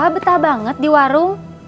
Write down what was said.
betah banget di warung